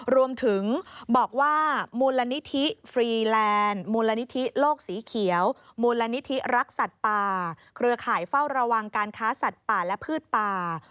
รวมถึงบอกว่า